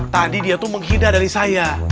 tadi dia tuh menghina dari saya